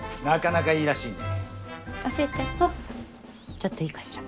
ちょっといいかしら？